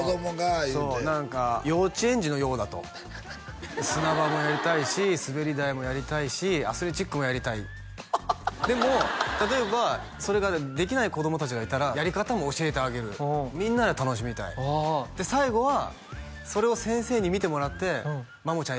言うてそう何か「幼稚園児のようだ」と砂場もやりたいし滑り台もやりたいしアスレチックもやりたいでも例えばそれができない子供達がいたらやり方も教えてあげるみんなで楽しみたいああで最後はそれを先生に見てもらってマモちゃん